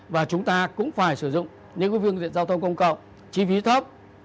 và chúng ta cũng phải sử dụng những cái phương tiện giao thông cộng cộng chi phí thấp